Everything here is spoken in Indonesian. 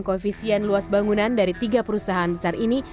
koefisien luas bangunan dari tiga perusahaan besar ini